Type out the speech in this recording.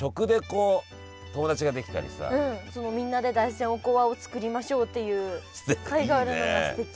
うんみんなで大山おこわを作りましょうっていう会があるのがすてき。